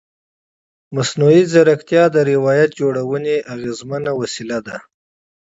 مصنوعي ځیرکتیا د روایت جوړونې اغېزمنه وسیله ده.